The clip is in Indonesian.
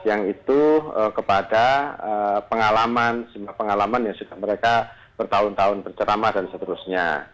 yang itu kepada pengalaman sejumlah pengalaman yang sudah mereka bertahun tahun bercerama dan seterusnya